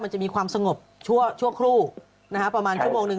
จะมีความสงบชั่วครู่ประมาณชั่วโมงหนึ่ง